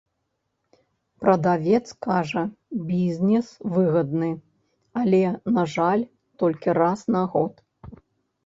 Прадавец кажа, бізнес выгадны, але, на жаль, толькі раз на год.